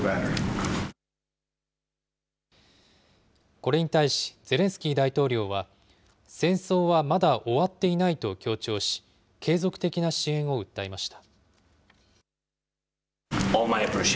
これに対し、ゼレンスキー大統領は、戦争はまだ終わっていないと強調し、継続的な支援を訴えました。